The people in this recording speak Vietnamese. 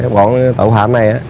bọn tội phạm này